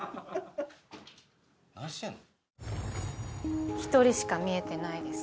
何してんの？